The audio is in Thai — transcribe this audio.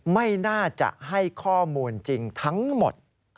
ไม่น่าจะให้ข้อมูลจริงทั้งหมด